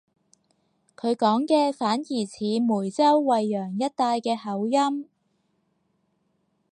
佢講嘅反而似梅州惠陽一帶嘅口音